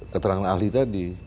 keterangan ahli tadi